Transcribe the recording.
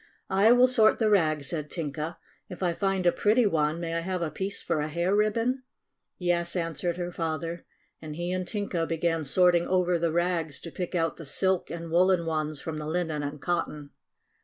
"I will sort the rags," said Tinka. "If I find a pretty one, may I have a piece for a hair ribbon?" "Yes," answered her father, and he and Tinka began sorting over the rags to pick out the silk and woolen ones from the linen and cotton.